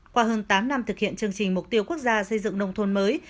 qua hơn tám năm thực hiện chương trình mục tiêu quốc gia xây dựng nông thôn mới